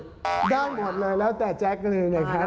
ได้หมดเลยแล้วแต่แจ๊คเลยนะครับ